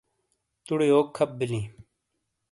تُؤڑے یوک کھپ بلیں؟